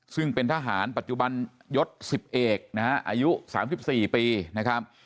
ซึ่งเป็นทหารปัจจุบันยศ๑๑อายุ๓๔ปี